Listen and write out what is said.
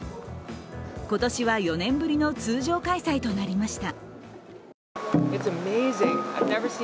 今年は４年ぶりの通常開催となりました。